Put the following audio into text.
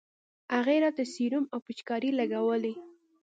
هغې راته سيروم او پيچکارۍ لګولې.